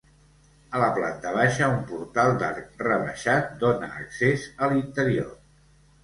A la planta baixa, un portal d'arc rebaixat dóna accés a l'interior.